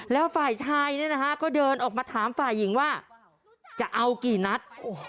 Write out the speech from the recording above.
แล้วฝ่ายชายก็เดินออกมาถามฝ่ายหญิงว่าจะเอากี่นัด